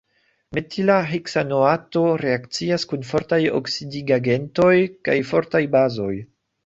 Metila heksanoato reakcias kun fortaj oksidigagentoj kaj fortaj bazoj.